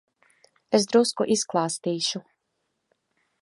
Es drusku izklāstīšu.